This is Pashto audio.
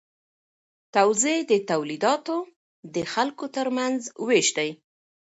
توزیع د تولیداتو د خلکو ترمنځ ویش دی.